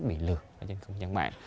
bị lừa ở trên thông tin mạng